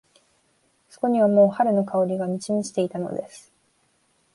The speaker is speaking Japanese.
そこにはもう春の香りが満ち満ちていたのです。